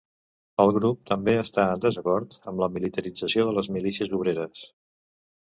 El grup també està en desacord amb la militarització de les milícies obreres.